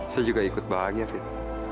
saya juga ikut bahagia tuh